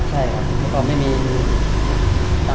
ใช่ครับของเขาไม่มีจังสงสัยได้เวลา